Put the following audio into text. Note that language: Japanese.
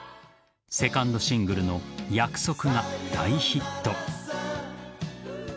セカンドシングルの「約束」が大ヒット。